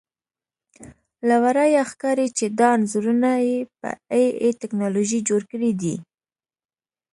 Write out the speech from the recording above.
له ورایه ښکاري چې دا انځورونه یې په اې ائ ټکنالوژي جوړ کړي دي